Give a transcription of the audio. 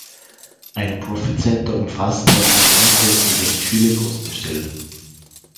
Ein Profitcenter umfasst dann unter Umständen recht viele Kostenstellen.